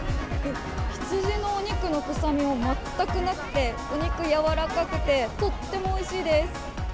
羊のお肉の臭みが全くなくて、お肉、柔らかくて、とってもおいしいです。